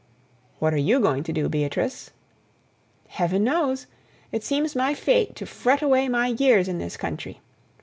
"What are you going to do, Beatrice?" "Heaven knows. It seems my fate to fret away my years in this country.